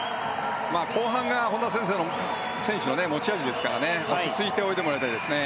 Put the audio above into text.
後半が本多選手の持ち味ですから落ち着いて泳いでもらいたいですね。